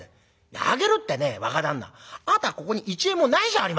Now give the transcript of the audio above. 「あげるってね若旦那あなたはここに一円もないじゃありませんか」。